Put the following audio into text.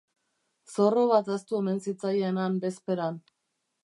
Zorro bat ahaztu omen zitzaien han bezperan.